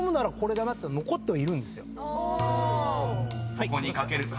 ［そこに懸けるか？